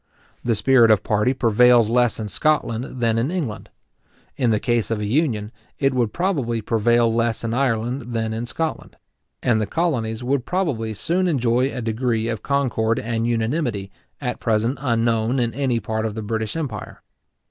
The spirit of party prevails less in Scotland than in England. In the case of a union, it would probably prevail less in Ireland than in Scotland; and the colonies would probably soon enjoy a degree of concord and unanimity, at present unknown in any part of the British empire.